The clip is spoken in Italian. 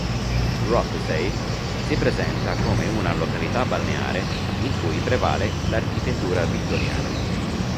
Rothesay si presenta come una località balneare in cui prevale l'architettura vittoriana.